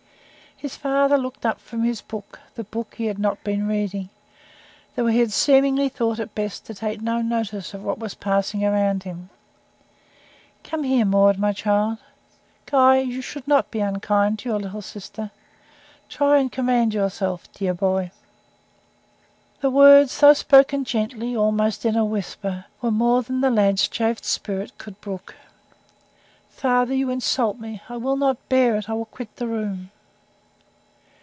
Her father looked up from his book the book he had not been reading though he had seemingly thought it best to take no notice of what was passing around him. "Come here, Maud, my child. Guy, you should not be unkind to your little sister. Try and command yourself, my dear boy!" The words, though spoken gently, almost in a whisper, were more than the lad's chafed spirit could brook. "Father, you insult me. I will not bear it. I will quit the room."